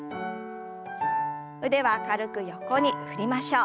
腕は軽く横に振りましょう。